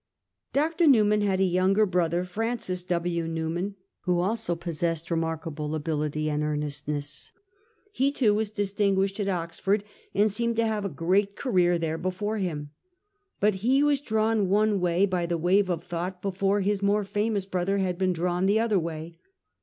Dr. Newman had a younger brother, Francis W. Newman, who also possessed 1811 . 'PAR NOBILE FRATRUM.' 211 remarkable ability and earnestness. He too was dis tinguished at Oxford, and seemed to have a great career there before him. But he was drawn one way by the wave of thought before his more famous brother had been drawn the other way.